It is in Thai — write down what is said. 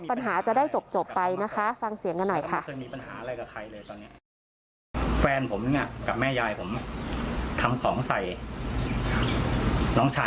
ปัญหาจะได้จบไปนะคะฟังเสียงกันหน่อยค่ะ